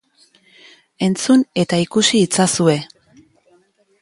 Entzun eta ikusi itzazue.